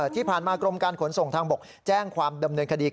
ที่ผ่านมากรมการขนส่งทางบกแจ้งความดำเนินคดี